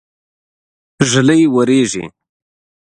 ږلۍ وريږي.